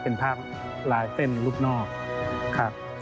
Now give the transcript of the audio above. เป็นภาพลายเต้นรูปนอกครับ